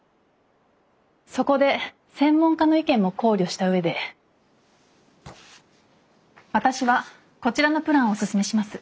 そこで専門家の意見も考慮した上で私はこちらのプランをおすすめします。